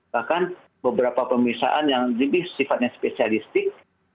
bahkan beberapa pemisahan yang lebih sifatnya spesialistik